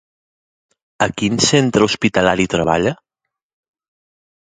A quin centre hospitalari treballa?